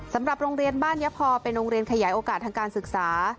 สำหรับโรงเรียนบ้านยะพอเป็นโรงเรียนขยายโอกาสทางการศึกษา